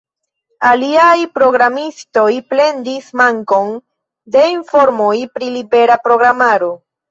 Aliaj programistoj plendis mankon de informoj pri libera programaro.